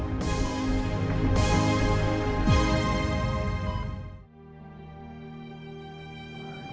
bikin pusing saja